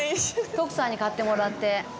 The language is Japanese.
徳さんに買ってもらって。